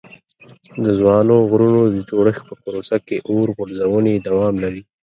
د ځوانو غرونو د جوړښت په پروسه کې اور غورځونې دوام لري.